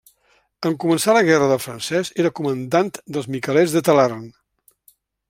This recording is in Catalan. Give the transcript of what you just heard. En començar la guerra del francès era comandant dels miquelets de Talarn.